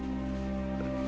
biar saya kembali ke rumah